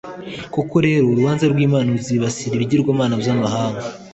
Koko rero, urubanza rw’Imana ruzibasira ibigirwamana by’amahanga,